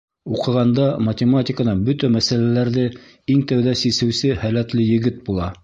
Уҡығанда математиканан бөтә мәсьәләләрҙе иң тәүҙә сисеүсе һәләтле егет була.